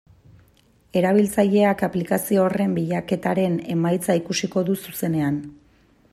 Erabiltzaileak aplikazio horren bilaketaren emaitza ikusiko du zuzenean.